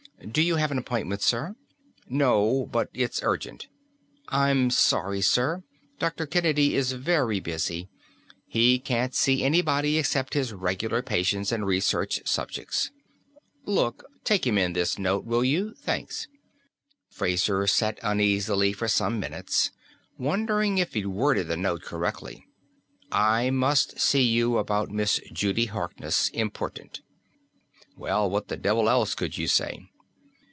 "Do you have an appointment, sir?" "No, but it's urgent." "I'm sorry, sir; Dr. Kennedy is very busy. He can't see anybody except his regular patients and research subjects." "Look, take him in this note, will you? Thanks." Fraser sat uneasily for some minutes, wondering if he'd worded the note correctly. I must see you about Miss Judy Harkness. Important. Well, what the devil else could you say?